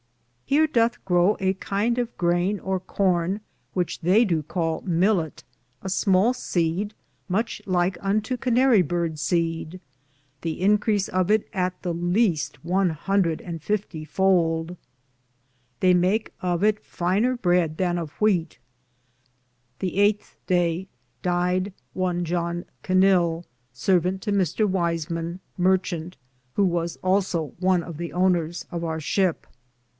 Heare doth grow a kinde of graine or corne, which theie do call myllio (millet), a small seed muche lyke unto canara bird seed. The increase of it is at the least one hundrethe and fiftie foulde. They make of it finer bread than of wheate. The eighte Daye Died one John Knill, sarvante to Mr. Wyseman, marchante, who was also one of the owneres of our shipp.